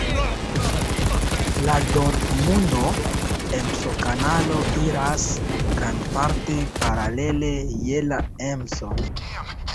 La Dortmundo-Emsokanalo iras grandparte paralele je la Emso.